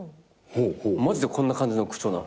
マジでこんな感じの口調なの。